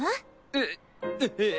えっええっ！